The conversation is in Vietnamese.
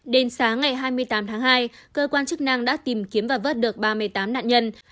đến sáng ngày hai mươi tám tháng hai cơ quan chức năng đã tìm kiếm và vớt được ba mươi tám nạn nhân